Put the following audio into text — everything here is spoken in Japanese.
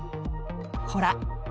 ほら！